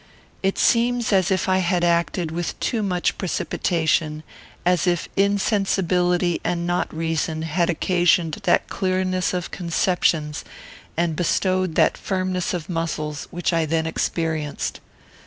It seems as if I acted with too much precipitation; as if insensibility, and not reason, had occasioned that clearness of conceptions, and bestowed that firmness of muscles, which I then experienced.